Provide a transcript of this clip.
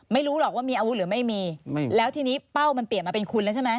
ไม่รู้หรอกว่ามีอาวุธหรือไม่มีแล้วทีนี้เป้ามันเปลี่ยนมาเป็นคุณแล้วใช่ไหม